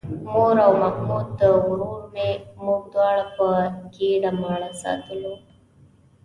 مور او محمود ورور مې موږ دواړه په ګېډه ماړه ساتلو.